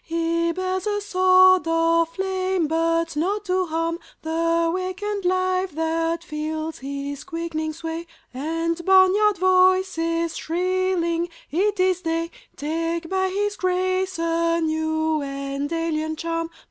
He bears a sword of flame but not to harm The wakened life that feels his quickening sway And barnyard voices shrilling "It is day!" Take by his grace a new and alien charm.